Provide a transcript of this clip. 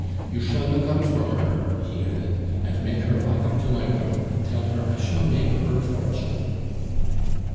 "You shall look out for her," he added, "an' make her valk up to my room, and tell her I shall make her fortune."